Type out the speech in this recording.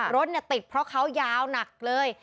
รถติดเพราะเขายาวหนักเลย